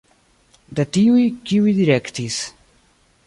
De tiuj, kiuj direktis.